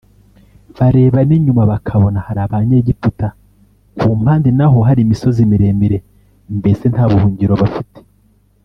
bareba n'inyuma bakabona hari abanyegiputa ku mande naho hari imisozi miremire mbese nta buhungiro bafite